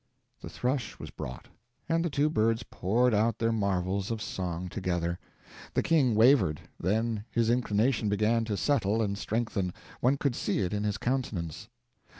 The thrush was brought, and the two birds poured out their marvels of song together. The king wavered, then his inclination began to settle and strengthen one could see it in his countenance.